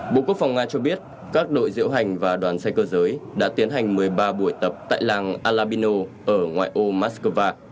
bộ quốc phòng nga cho biết các đội diễu hành và đoàn xe cơ giới đã tiến hành một mươi ba buổi tập tại làng alabino ở ngoại ô moscow